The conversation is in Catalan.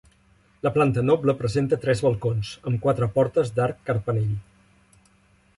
La planta noble presenta tres balcons, amb quatre portes d'arc carpanell.